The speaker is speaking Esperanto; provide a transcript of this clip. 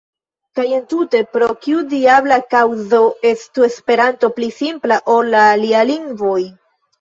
Kaj entute: Pro kiu diabla kaŭzo estu Esperanto pli simpla ol la aliaj lingvoj?